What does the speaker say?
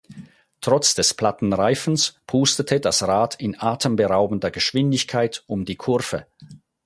Trotz des platten Reifens pustete das Rad in atemberaubender Geschwindigkeit um die Kurve.